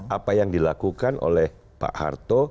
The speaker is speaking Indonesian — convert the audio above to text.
apa yang dilakukan oleh pak harto